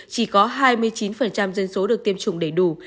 chỉ có hai mươi chín dân số được tiêm chủng đầy đủ